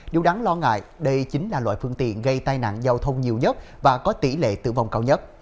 điều đáng lo ngại đây chính là loại phương tiện gây tai nạn giao thông nhiều nhất và có tỷ lệ tử vong cao nhất